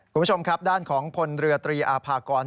คุณผู้ชมครับด้านของพลเรือตรีอาภากร